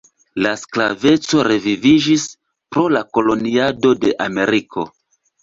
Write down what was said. La sklaveco reviviĝis pro la koloniado de Ameriko.